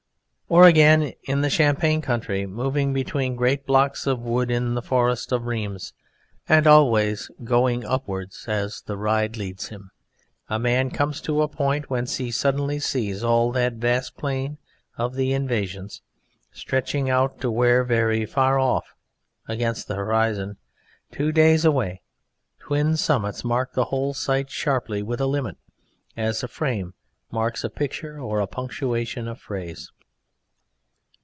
Or again, in the champagne country, moving between great blocks of wood in the Forest of Rheims and always going upward as the ride leads him, a man comes to a point whence he suddenly sees all that vast plain of the invasions stretching out to where, very far off against the horizon, two days away, twin summits mark the whole site sharply with a limit as a frame marks a picture or a punctuation a phrase.